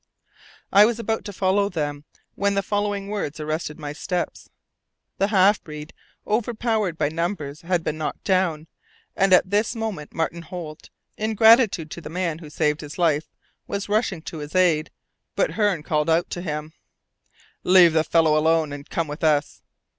I was about to follow them when the following words arrested my steps. The half breed, overpowered by numbers, had been knocked down, and at this moment Martin Holt, in gratitude to the man who saved his life, was rushing to his aid, but Hearne called out to him, "Leave the fellow alone, and come with us!"